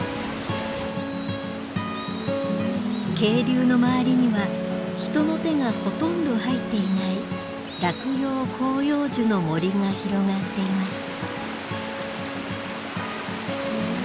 渓流の周りには人の手がほとんど入っていない落葉広葉樹の森が広がっています。